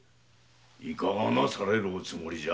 いかがなされるおつもりじゃ。